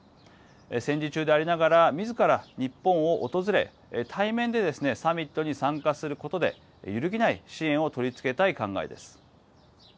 戦時中でありながらみずから日本を訪れ対面でサミットに参加することで揺るぎない支援を取り付けたい考えです。